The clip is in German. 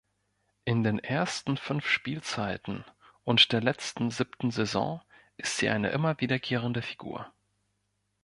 In den ersten fünf Spielzeiten und der letzten siebten Saison ist sie eine immer wiederkehrende Figur.